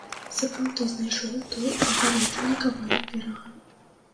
Сапраўды знайшоў той агароджаны кавалак берага.